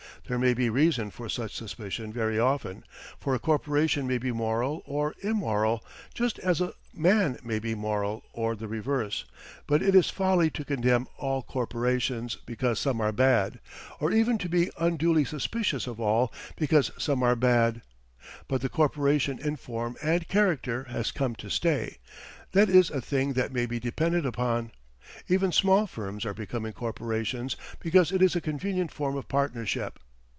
There may be reason for such suspicion very often; for a corporation may be moral or immoral, just as a man may be moral or the reverse; but it is folly to condemn all corporations because some are bad, or even to be unduly suspicious of all, because some are bad. But the corporation in form and character has come to stay that is a thing that may be depended upon. Even small firms are becoming corporations, because it is a convenient form of partnership.